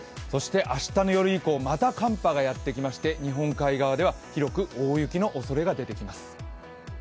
明日の夜以降また寒波がやってきまして日本海側では広く大雪のおそれが出てきます。